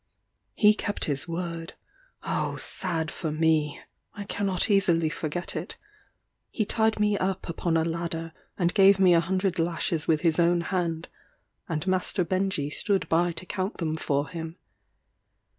He kept his word Oh sad for me! I cannot easily forget it. He tied me up upon a ladder, and gave me a hundred lashes with his own hand, and master Benjy stood by to count them for him.